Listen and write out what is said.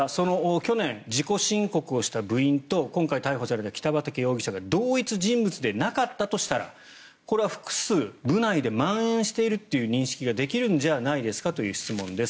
去年、自己申告をした部員と今回逮捕された北畠容疑者が同一人物でなかったとしたらこれは複数、部内でまん延しているという認識ができるんじゃないんですかという質問です。